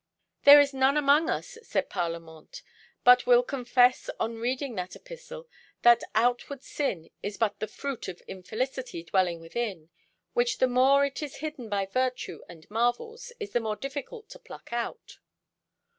"There is none among us," said Parlamente, "but will confess, on reading that Epistle, that outward sin is but the fruit of infelicity dwelling within, which, the more it is hidden by virtue and marvels, is the more difficult to pluck out."